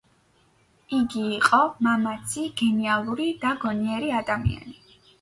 იგი იყო მამაცი, გენიალური და გონიერი ადამიანი.